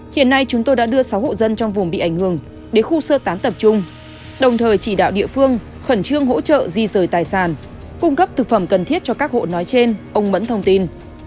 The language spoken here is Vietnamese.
hiện nay chúng tôi đã đưa sáu hộ dân trong vùng bị ảnh hưởng đến khu sơ tán tập trung đồng thời chỉ đạo địa phương khẩn trương hỗ trợ di rời tài sản cung cấp thực phẩm cần thiết cho các hộ nói trên ông mẫn thông tin